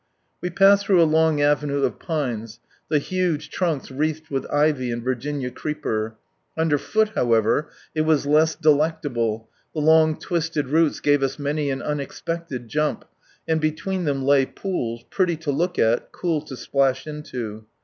We passed through a long avenue of pines, the huge trunks wreathed with ivy and Virginian creeper; under foot, however, it was less delectable, the long twisted roots gave us many an unexpected jump, and between them lay pools, pretty to look at, cool to splash into.